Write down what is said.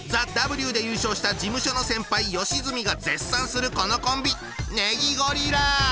「ＴＨＥＷ」で優勝した事務所の先輩吉住が絶賛するこのコンビ！